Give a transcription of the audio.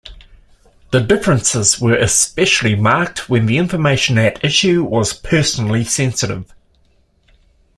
The differences were especially marked when the information at issue was personally sensitive.